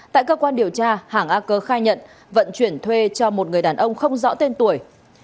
tại cơ quan điều tra hàng a cơ khai nhận vận chuyển thuê cho một người đàn ông không rõ tên tuổi